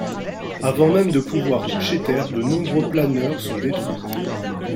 Avant même de pouvoir toucher terre, de nombreux planeurs sont détruits.